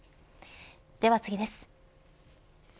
では次です。